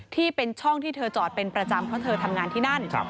ที่เป็นช่องที่เธอจอดเป็นประจำเพราะเธอทำงานที่นั่น